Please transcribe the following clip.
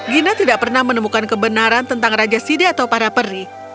gina tidak pernah menemukan kebenaran tentang raja side atau para peri